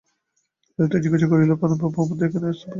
ললিতা জিজ্ঞাসা করিল, পানুবাবু আমাদের এখানে আসতে পারবেন?